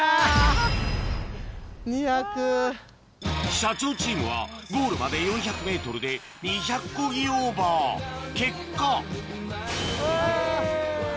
社長チームはゴールまで４００ｍで２００コギオーバー結果ヘイ。